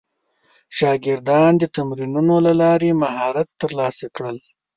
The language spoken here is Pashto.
شاګردان د تمرینونو له لارې مهارت ترلاسه کړل.